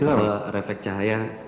atau refleks cahaya